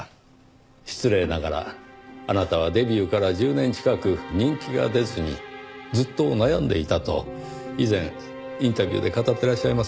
失礼ながらあなたはデビューから１０年近く人気が出ずにずっと悩んでいたと以前インタビューで語っていらっしゃいますね。